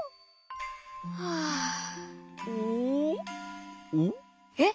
はあえっ！？